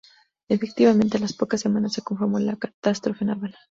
Efectivamente, a las pocas semanas se confirmó la catástrofe naval.